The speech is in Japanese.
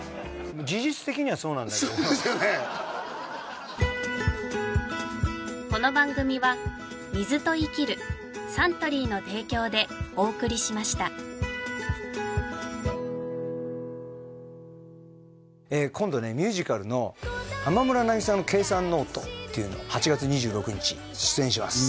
事実的にはそうなんだけどそうですよね今度ねミュージカルの「浜村渚の計算ノート」っていうのを８月２６日出演します